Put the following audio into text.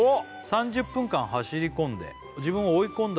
「３０分間走り込んで自分を追い込んだら」